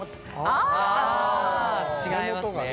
あ違いますね。